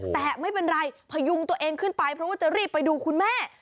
แต่ไม่เป็นไรพยุงตัวเองขึ้นไปเพราะว่าจะรีบไปดูคุณแม่